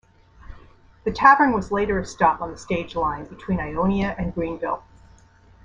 The tavern was later a stop on the stage line between Ionia and Greenville.